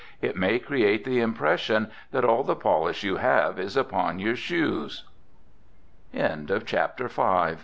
It may create the impression that all the polish you have is upon your shoes. VI.